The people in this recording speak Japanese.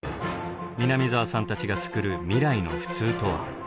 南澤さんたちがつくる未来の普通とは？